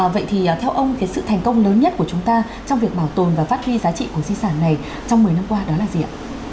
vậy thì theo ông sự thành công lớn nhất của chúng ta trong việc bảo tồn và phát huy giá trị của di sản này trong một mươi năm qua đó là gì ạ